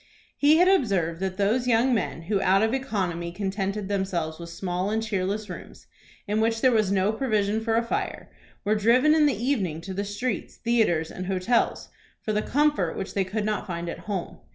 He had observed that those young men who out of economy contented themselves with small and cheerless rooms, in which there was no provision for a fire, were driven in the evening to the streets, theatres, and hotels, for the comfort which they could not find at home.